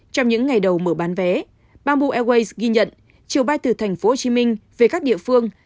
trong những ngày đầu mở bán vé bamboo airways ghi nhận chiều bay từ tp hcm về các địa phương